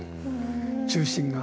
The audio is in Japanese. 中心が。